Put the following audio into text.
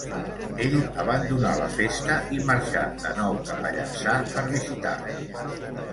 Ell abandonà la festa i marxà de nou cap a Llançà per visitar-la.